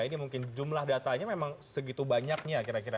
ini mungkin jumlah datanya memang segitu banyaknya kira kira